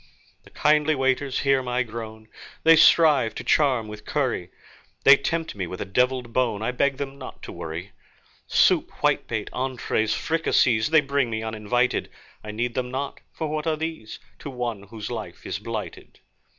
The kindly waiters hear my groan, They strive to charm with curry; They tempt me with a devilled bone I beg them not to worry. Soup, whitebait, entrées, fricasees, They bring me uninvited. I need them not, for what are these To one whose life is blighted?